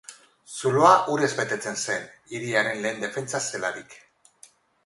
Zuloa urez betetzen zen hiriaren lehen defentsa zelarik.